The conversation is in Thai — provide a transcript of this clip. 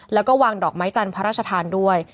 แล้วก็วางดอกไม้จันทร์พระราชทานด้วย